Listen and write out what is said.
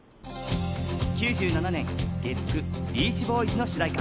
９７年、月９「ビーチボーイズ」の主題歌。